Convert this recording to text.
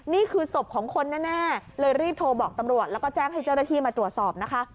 นี่คือศพของคนแน่เลยรีบโทรบอกตำรวจแล้วก็แจ้งให้เจ้าหน้าที่มาตรวจสอบนะคะ